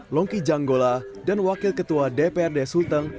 longki janggola dan wakil ketua dprd sulteng